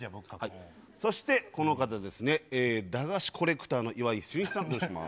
そして、この方ですね、駄菓子コレクターのいわいしゅんいちさん、お願いします。